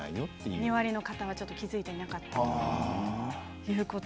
２割の方は気付いていなかったと。